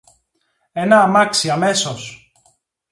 Ένα αμάξι αμέσως!